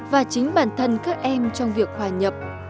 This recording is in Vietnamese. và chính bản thân các em trong việc hòa nhập